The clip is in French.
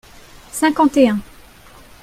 cinquante et un.